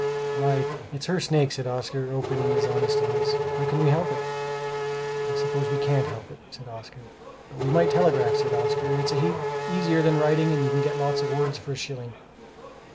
"Why, it's her snake," said Oscar, opening his honest eyes; "how can we help it?" "I suppose we can't help it," said Edmund. "But we might telegraph," said Oscar; "it's a heap easier than writing and you can get lots of words for a shilling."